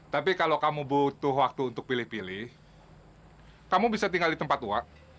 tapi kalau kamu butuh waktu untuk pilih pilih kamu bisa tinggal di tempat tua